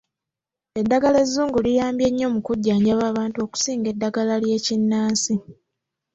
Eddagala ezzungu liyambye nnyo mu kujjanjaba abantu okusinga eddagala ery'ekinnansi.